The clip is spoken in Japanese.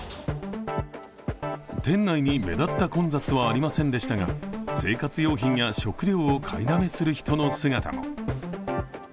店内に目立った混雑はありませんでしたが、生活用品や食料を買いだめする人の姿も。